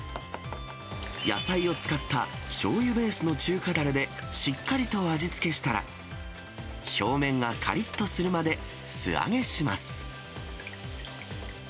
野菜を使った、しょうゆベースの中華だれでしっかりと味付けしたら、表面がかりっとするまで、素揚げします。